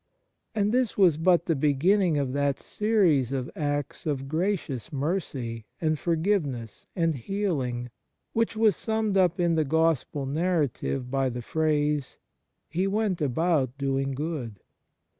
And this was but the beginning of that series of acts of gracious mercy, and for giveness, and healing, which was summed up in the Gospel narrative by the phrase, " He went about doing good."